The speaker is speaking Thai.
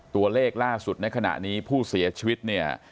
ตัวเลขล่าสุดในขณะนี้ผู้เสียชีวิตเนี่ย